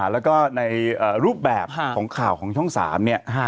แล้วก็ในรูปแบบของข่าวของช่อง๓เนี่ย